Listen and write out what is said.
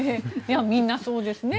みんなそうですね。